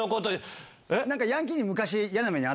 何かヤンキーで昔。